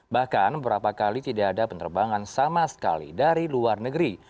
bahkan berapa kali tidak ada penerbangan sama sekali dari luar negeri